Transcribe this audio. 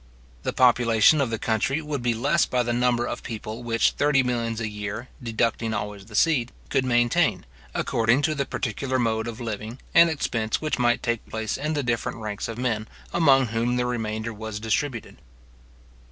The population of the country would be less by the number of people which thirty millions a year, deducting always the seed, could maintain, according to the particular mode of living, and expense which might take place in the different ranks of men, among whom the remainder was distributed.